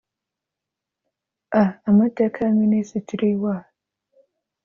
a amateka ya minisitiri w intebe